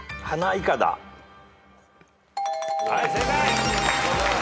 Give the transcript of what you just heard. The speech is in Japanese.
はい正解。